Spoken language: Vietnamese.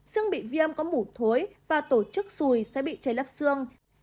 xương bị viêm có mủ thối và tổ chức xùi sẽ bị che lấp xương